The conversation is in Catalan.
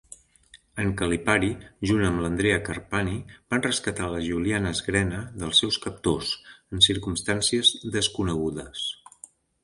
En Calipari, junt amb l"Andrea Carpani, van rescatar la Giuliana Sgrena dels seus captors, en circumstàncies desconegudes.